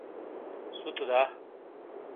سُتو دا؟